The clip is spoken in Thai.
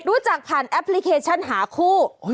รู้จักผ่านแอปพลิเคชันหาคู่